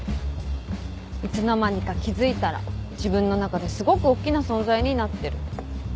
いつの間にか気付いたら自分の中ですごく大っきな存在になってる。